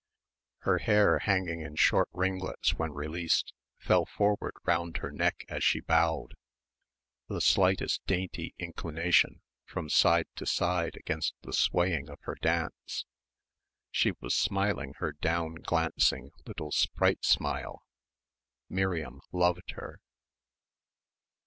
Her hair, hanging in short ringlets when released, fell forward round her neck as she bowed the slightest dainty inclination, from side to side against the swaying of her dance. She was smiling her down glancing, little sprite smile. Miriam loved her....